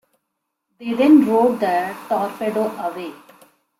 They then rode the torpedo away.